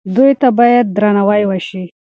دوی ته باید درناوی وشي.